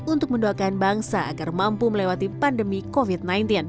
untuk mendoakan bangsa agar mampu melewati pandemi covid sembilan belas